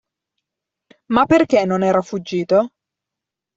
Ma perché non era fuggito?